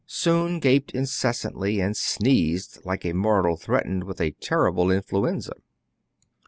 Soun gaped inces santly, and sneezed like a mortal threatened with a terrible influenza.